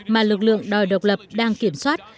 mà lực lượng đòi độc lập đang kiểm soát